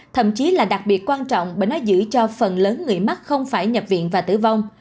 thậm chí là đặc biệt quan trọng bởi nó giữ cho phần lớn người mắc không phải nhập viện và tử vong